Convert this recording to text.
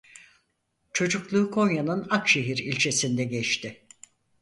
Çocukluğu Konya'nın Akşehir ilçesinde geçti.